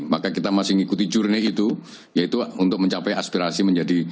maka kita masih mengikuti jurnih itu yaitu untuk mencapai aspirasi menjadi